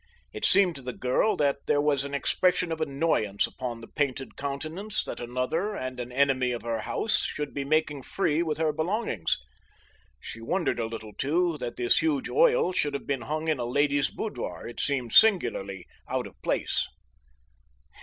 It seemed to the girl that there was an expression of annoyance upon the painted countenance that another, and an enemy of her house, should be making free with her belongings. She wondered a little, too, that this huge oil should have been hung in a lady's boudoir. It seemed singularly out of place.